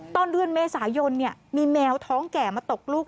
ตอนเดือนเมษายนมีแมวท้องแก่มาตกลูก